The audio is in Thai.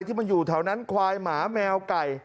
ที่มันอยู่แถวนั้นควายหมาแมวไก่